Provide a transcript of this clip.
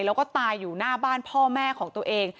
แล้วก็ตายอยู่หน้าบ้านพ่อแม่ของตัวเอง